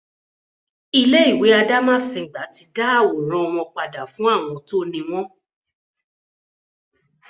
Ilé ìwé Adámásingbà ti dá àwòrán wọn padà fún àwọn tó ni wọ́n